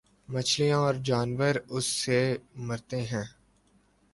مچھلیاں اور جانور اس سے مرتے ہیں۔